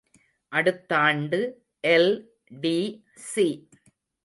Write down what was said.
அடுத்தாண்டு எல்.டி.சி.